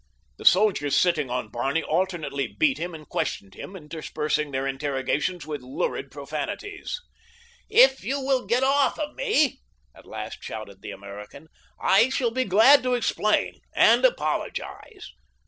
The officers sitting on Barney alternately beat him and questioned him, interspersing their interrogations with lurid profanity. "If you will get off of me," at last shouted the American, "I shall be glad to explain—and apologize."